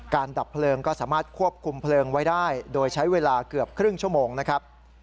ดับเพลิงก็สามารถควบคุมเพลิงไว้ได้โดยใช้เวลาเกือบครึ่งชั่วโมงนะครับ